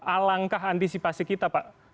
alangkah antisipasi kita pak